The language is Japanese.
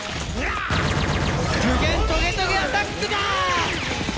無限トゲトゲアタックだ！